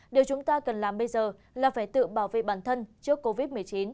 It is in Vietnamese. điều chúng ta cần làm bây giờ là phải tự bảo vệ bản thân trước covid một mươi chín